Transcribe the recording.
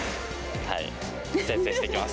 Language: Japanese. はい、節制していきます。